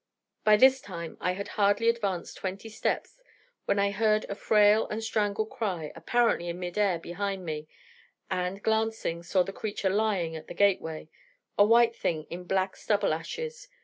But this time I had hardly advanced twenty steps, when I heard a frail and strangled cry, apparently in mid air behind me, and glancing, saw the creature lying at the gateway, a white thing in black stubble ashes.